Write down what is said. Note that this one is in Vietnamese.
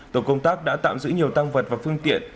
tổ công tác đã tạm giữ nhiều tăng vật và phương tiện